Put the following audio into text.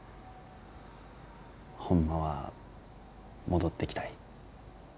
ホンマは戻ってきたい。